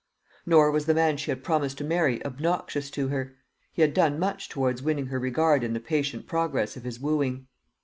Nor was the man she had promised to marry obnoxious to her. He had done much towards winning her regard in the patient progress of his wooing.